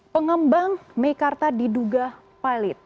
pengembang mekarta diduga pilot